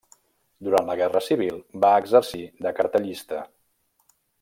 Durant la Guerra Civil, va exercir de cartellista.